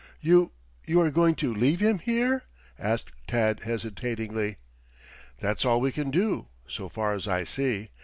"You you are going to leave him here?" asked Tad hesitatingly. "That's all we can do, so far as I see.